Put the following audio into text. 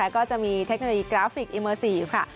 ก็จะมีเทคโนโลยีกราฟิกอิเมอร์ซีฟค่ะ